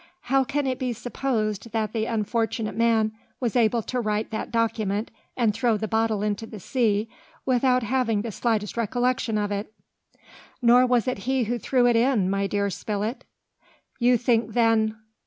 How can it be supposed that the unfortunate man was able to write that document and throw the bottle into the sea without having the slightest recollection of it?" "Nor was it he who threw it in, my dear Spilett." "You think then...."